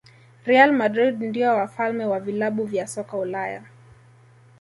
real madrid ndio wafalme wa vilabu vya soka ulaya